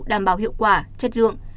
đảm bảo hiệu quả chất lượng